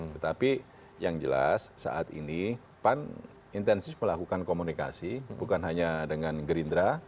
tetapi yang jelas saat ini pan intensif melakukan komunikasi bukan hanya dengan gerindra